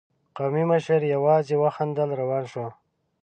قومي مشر يواځې وخندل، روان شو.